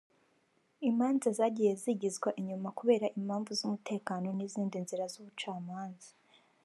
imanza zagiye zigizwa inyuma kubera impamvu z’umutekano n’izindi nzira z’ubucamanza